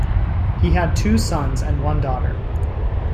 He had two sons and one daughter.